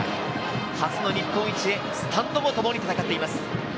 初の日本一でスタンドもともに戦っています。